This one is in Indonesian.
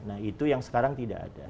nah itu yang sekarang tidak ada